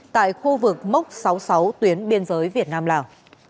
tại khu vực mốc sáu mươi sáu tuyến biên giới việt nam lào